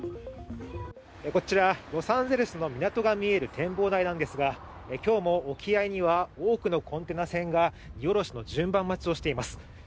こちら、ロサンゼルスの港が見える展望台なんですが今日も沖合には多くのコンテナ船が荷卸しの順番待ちをしています。